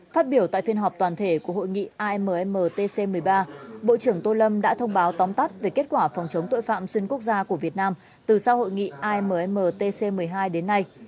phát biểu tại phiên họp toàn thể của hội nghị ammtc một mươi ba bộ trưởng tô lâm đã thông báo tóm tắt về kết quả phòng chống tội phạm xuyên quốc gia của việt nam từ sau hội nghị ammtc một mươi hai đến nay